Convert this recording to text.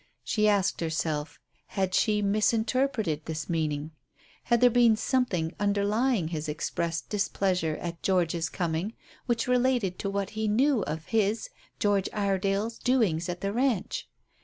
She asked herself, had she misinterpreted his meaning? Had there been something underlying his expressed displeasure at George's coming which related to what he knew of his, George Iredale's, doings at the ranch?